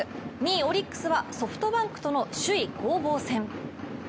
２位・オリックスはソフトバンクとの首位攻防戦。